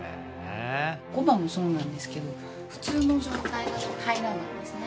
小判もそうなんですけど普通の状態だと平らなんですね